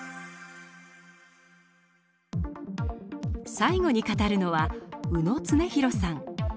最後に語るのは宇野常寛さん。